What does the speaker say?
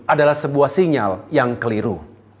adalah sebuah sinyal yang keliru